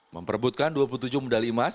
memperbutkan dua puluh tujuh medali emas